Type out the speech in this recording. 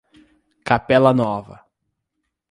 Capela Nova